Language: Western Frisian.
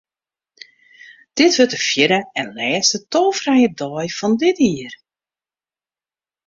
Dit wurdt de fjirde en lêste tolfrije dei fan dit jier.